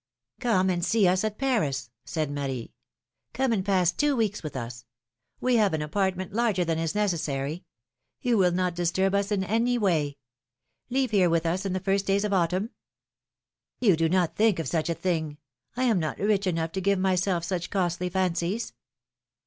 '^ Come and see us at Paris,'^ said Marie. Come and pass two weeks with us. We have an apartment larger than is necessary. You will not disturb us in any way. Leave here with us in the first days of autumn ''You do not think of such a thing! I am not rich enough to give myself such costly fancies